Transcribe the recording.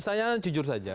saya jujur saja